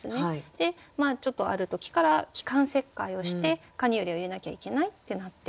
でちょっとある時から気管切開をしてカニューレを入れなきゃいけないってなって。